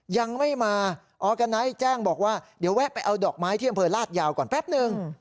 ยังไม่มาออร์กาไนท์แจ้งบอกว่าเดี๋ยวแวะไปเอาดอกไม้ที่อำเภอลาดยาวก่อนแป๊บนึง